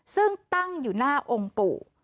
ซึ่งตั้งอยู่หน้าองค์ปู่